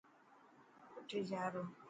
اُٺي جا رو.